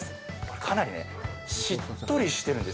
かなり、しっとりしているんです。